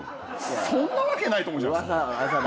そんなわけないと思うじゃないですか。